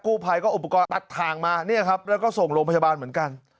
กูภัยก็อุปกรณ์ตัดทางมาแล้วก็ส่งโรงพยาบาลเหมือนกัน